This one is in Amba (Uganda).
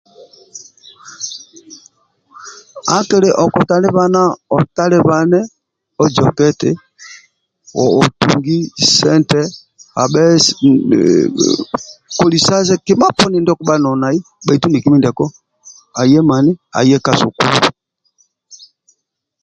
Akili okutalibana otalibane ozoke eti oo otunge sente abhe e kolisai kima poni ndio okubha noli nai bbaitu miki mindiako aye mani? aye ka sukulu